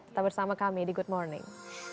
tetap bersama kami di good morning